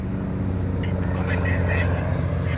ابداليانو د نادرافشار د لښکرو خبر ترلاسه کړ.